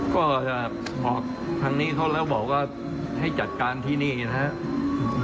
ก็จะบอกทางนี้เขาแล้วบอกว่าให้จัดการที่นี่นะครับ